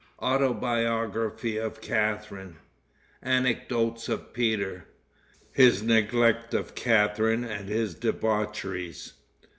Autobiography of Catharine. Anecdotes of Peter. His Neglect of Catharine and His Debaucheries.